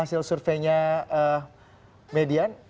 hasil surveinya median